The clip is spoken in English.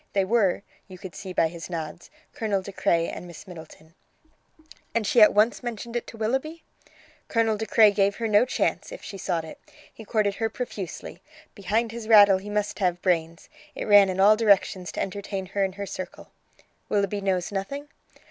They were, you could see by his nods, Colonel De Craye and Miss Middleton." "And she at once mentioned it to Willoughby?" "Colonel De Craye gave her no chance, if she sought it. He courted her profusely. Behind his rattle he must have brains. It ran in all directions to entertain her and her circle." "Willoughby knows nothing?"